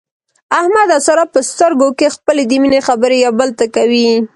احمد او ساره په سترګو کې خپلې د مینې خبرې یو بل ته کوي.